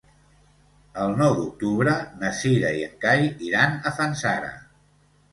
El nou d'octubre na Cira i en Cai iran a Fanzara.